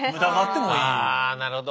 ああなるほど。